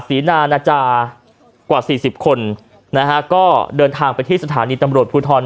ศรีนานาจากว่าสี่สิบคนนะฮะก็เดินทางไปที่สถานีตำรวจภูทร